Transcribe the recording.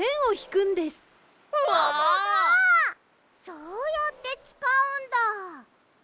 そうやってつかうんだ。